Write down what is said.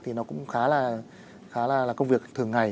thì nó cũng khá là công việc thường ngày